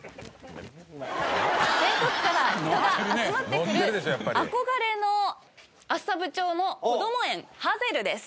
全国から人が集まってくる憧れの厚沢部町のこども園はぜるです。